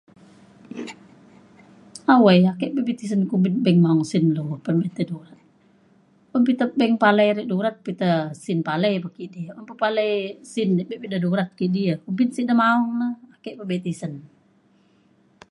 awai ake pa be tisen kumbin bank maong sin lu apan be tei durat un pita bank palai durat pita sin palai pa kidi yak un pa palai sin be pa ida durat kidi ya kumbin sik ida maong na. ake pa be tisen.